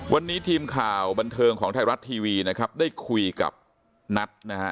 วันนี้ทีมข่าวบันเทิงของไทยรัฐทีวีนะครับได้คุยกับนัทนะฮะ